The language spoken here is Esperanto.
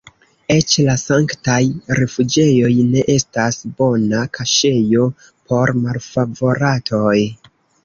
Eĉ la sanktaj rifuĝejoj ne estas bona kaŝejo por malfavoratoj!